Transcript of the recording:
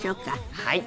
はい。